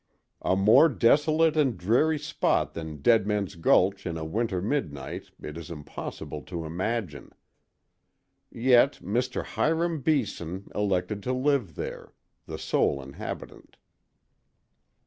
A more desolate and dreary spot than Deadman's Gulch in a winter midnight it is impossible to imagine. Yet Mr. Hiram Beeson elected to live there, the sole inhabitant.